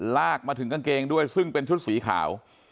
ลากมาถึงกางเกงด้วยซึ่งเป็นชุดสีขาว